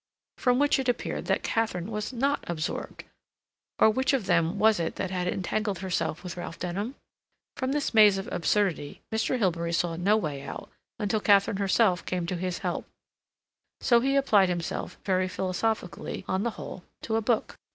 From which it appeared that Katharine was not absorbed, or which of them was it that had entangled herself with Ralph Denham? From this maze of absurdity Mr. Hilbery saw no way out until Katharine herself came to his help, so that he applied himself, very philosophically on the whole, to a book.